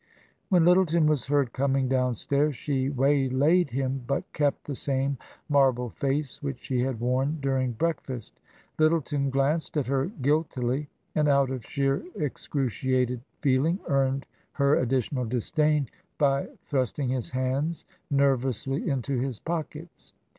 When Lyttleton was heard coming downstairs, she waylaid him but kept the same marble face which she had worn during breakfast. Ljrttleton glanced at her guiltily, and out of sheer ex cruciated feeling earned her additional disdain by thrust ing his hands nervously into his pockets.